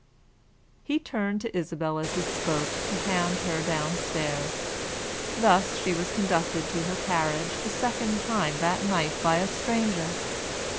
He turned to Isabel as he spoke, to hand her downstairs. Thus she was conducted to her carriage the second time that night by a stranger.